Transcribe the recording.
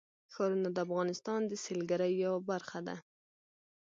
ښارونه د افغانستان د سیلګرۍ یوه برخه ده.